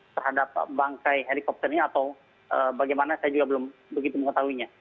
terhadap bangkai helikopternya atau bagaimana saya juga belum begitu mengetahuinya